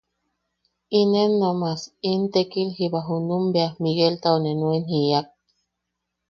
Inen nomas in tekil jiba junum bea Migueltau ne nuen jiak: